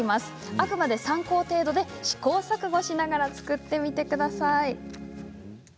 あくまで参考程度で試行錯誤しながら作ってみてください。